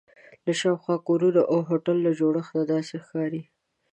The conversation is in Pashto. له شاوخوا کورونو او د هوټل له جوړښت نه داسې ښکاري.